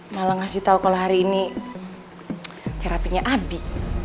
malah ngasih tau kalau hari ini terapinya abi